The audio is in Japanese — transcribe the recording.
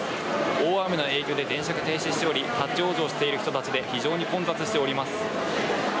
大雨の影響で電車が停止しており立ち往生している人たちで非常に混雑しております。